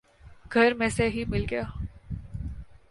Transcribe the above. گھر میں سے ہی مل گیا